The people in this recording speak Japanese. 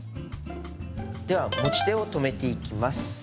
では持ち手を留めていきます。